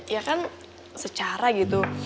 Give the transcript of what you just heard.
ya kan secara gitu